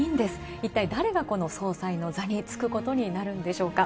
一体、誰が、この総裁の座に就くことになるんでしょうか。